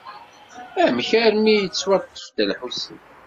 Amek armi yettwaṭṭef Dda Lḥusin?